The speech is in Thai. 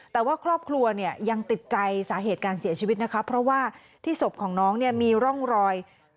แต่ว่าครอบครัวเนี่ยยังติดใจสาเหตุการเสียชีวิตนะคะเพราะว่าที่ศพของน้องเนี่ยมีร่องรอย